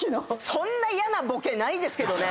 そんな嫌なボケないですけどね。